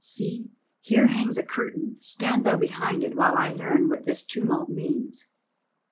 See, here hangs a curtain, stand thou behind it while I learn what this tumult means."